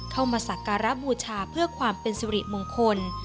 เข้ามาศักรบูชาเพื่อความเป็นสิริมงคล